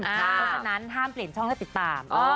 เพราะฉะนั้นห้ามเปลี่ยนช่องให้ติดตาม